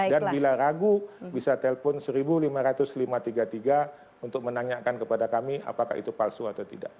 dan bila ragu bisa telpon lima belas ribu lima ratus tiga puluh tiga untuk menanyakan kepada kami apakah itu palsu atau tidak